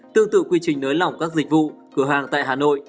tương tự quy trình nới lỏng các dịch vụ cửa hàng tại hà nội